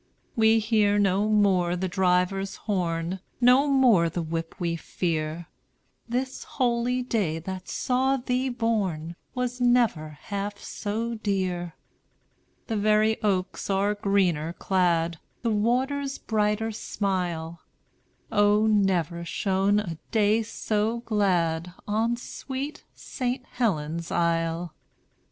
"We hear no more the driver's horn, No more the whip we fear; This holy day that saw thee born Was never half so dear. "The very oaks are greener clad, The waters brighter smile; O, never shone a day so glad On sweet St. Helen's Isle.